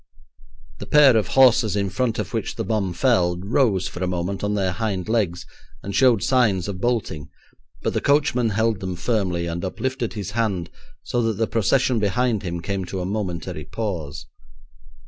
The pair of horses in front of which the bomb fell rose for a moment on their hind legs, and showed signs of bolting, but the coachman held them firmly, and uplifted his hand so that the procession behind him came to a momentary pause.